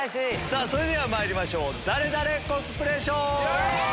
それではまいりましょう「ダレダレ？コスプレショー」。